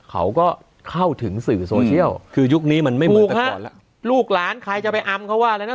เขาก็เข้าถึงสื่อโซเชียลคือยุคนี้มันไม่เหมือนแต่ก่อนแล้วลูกหลานใครจะไปอำเขาว่าอะไรนะ